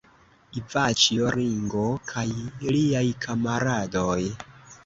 Ivaĉjo Ringo kaj liaj kamaradoj.